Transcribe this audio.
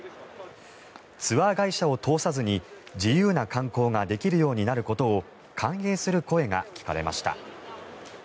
ツアー会社を通さずに自由な観光ができるようになることを歓迎する声が聞かれました。